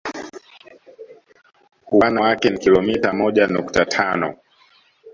Upana wake ni kilomita moja nukta tano